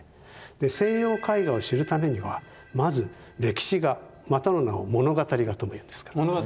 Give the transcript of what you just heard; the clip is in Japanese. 西洋絵画を知るためにはまず歴史画またの名を物語画ともいうんですけども。